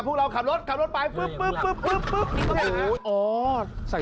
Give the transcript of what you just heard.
พวกเราก็ขรถขำรถไป